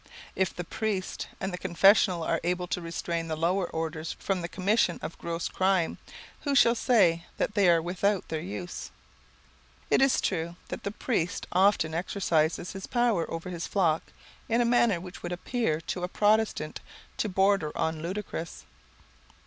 If the priest and the confessional are able to restrain the lower orders from the commission of gross crime, who shall say that they are without their use? It is true that the priest often exercises his power over his flock in a manner which would appear to a Protestant to border on the ludicrous.